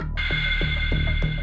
dengar ya mbak kiki